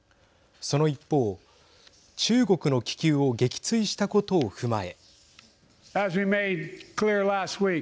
その一方、中国の気球を撃墜したことを踏まえ。